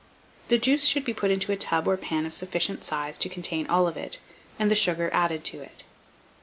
The juice should be put into a tub or pan of sufficient size to contain all of it, and the sugar added to it.